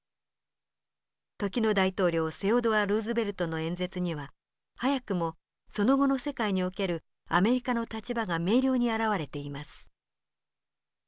時の大統領セオドア・ルーズベルトの演説には早くもその後の世界におけるアメリカの立場が明瞭に現れています。